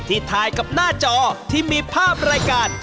ถ่ายกับหน้าจอที่มีภาพรายการ